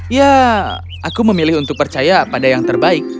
ya aku memilih untuk percaya pada yang terbaik